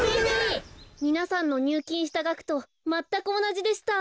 みなさんのにゅうきんしたがくとまったくおなじでした。